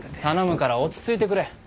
頼むから落ち着いてくれ。